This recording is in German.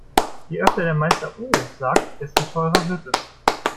Je öfter der Meister "oh" sagt, desto teurer wird es.